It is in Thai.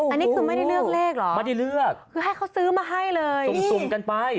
อันนี้คือไม่ได้เลือกเลขหรอคือให้เขาซื้อมาให้เลยสุ่มกันไป